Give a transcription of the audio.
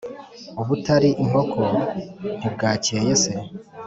ubutari inkoko ntibwakeye se,